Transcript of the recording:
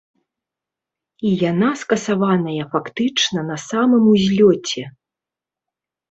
І яна скасаваная фактычна на самым узлёце.